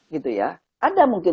gitu ya ada mungkin